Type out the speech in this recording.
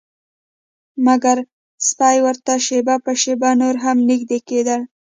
مګر سپي ورته شیبه په شیبه نور هم نږدې کیدل